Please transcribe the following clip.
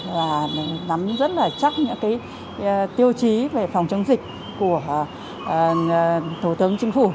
và nắm rất là chắc những tiêu chí về phòng chống dịch của thủ tướng chính phủ